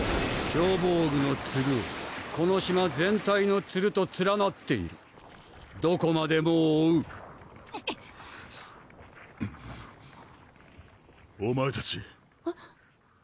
キョーボーグのツルはこの島全体のツルとつらなっているどこまでも追うお前たち